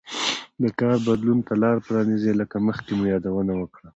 دا کار بدلون ته لار پرانېزي لکه مخکې مو یادونه وکړه